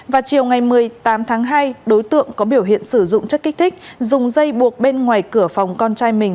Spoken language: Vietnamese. vào chiều ngày một mươi tám tháng hai đối tượng có biểu hiện sử dụng chất kích thích dùng dây buộc bên ngoài cửa phòng con trai mình